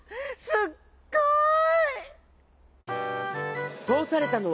「すっごい！